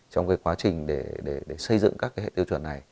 trong cái quá trình để xây dựng các cái hệ tiêu chuẩn này